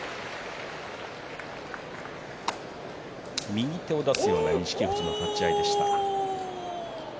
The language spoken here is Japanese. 右手を出すような錦富士の立ち合いでした。